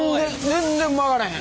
全然曲がらへん。